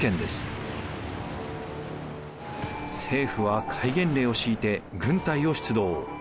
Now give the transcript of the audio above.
政府は戒厳令を敷いて軍隊を出動。